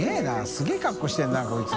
すごい格好してるなこいつ。